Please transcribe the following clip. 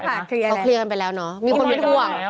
เขาเคลียร์กันจบไปแล้วเนอะ